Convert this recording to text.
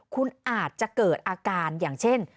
คุณอาจจะเกิดอาการอย่างเช่น